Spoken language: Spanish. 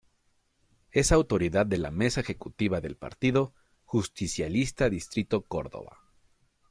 Es autoridad de la mesa Ejecutiva del Partido Justicialista Distrito Córdoba.